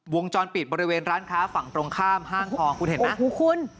วงจรปิดบริเวณร้านค้าฝั่งตรงข้ามห้างทองคุณเห็นไหมคุณ